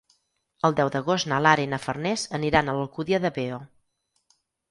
El deu d'agost na Lara i na Farners aniran a l'Alcúdia de Veo.